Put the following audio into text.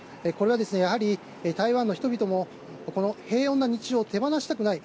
これは、やはり台湾の人々もこの平穏な日常を手放したくない。